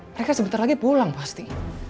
mereka sebentar lagi pulang pasti